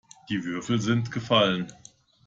Die Würfel sind gefallen.